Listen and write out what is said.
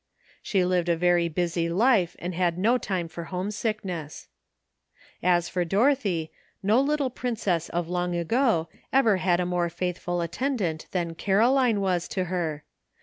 She lived a very busy life, and had no time for homesickness. LEARNING. 247 As for Dorothy, no little princess of long ago ever had a more faithful attendant than Caroline was to her.